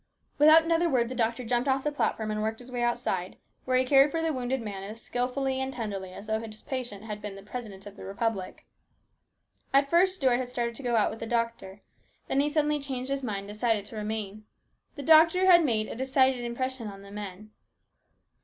" Without another word the doctor jumped off the platform and worked his way outside, where he cared for the wounded man as skilfully and tenderly as though his patient had been the President of the Republic. At first Stuart had started to go out with the doctor. Then he suddenly changed his mind and decided to remain. The doctor had made a decided impression on the men.